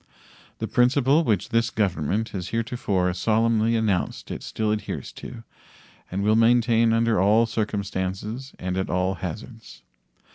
The principle which this Government has heretofore solemnly announced it still adheres to, and will maintain under all circumstances and at all hazards.